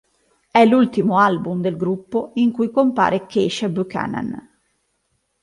È l'ultimo album del gruppo in cui compare Keisha Buchanan.